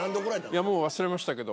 いやもう忘れましたけど。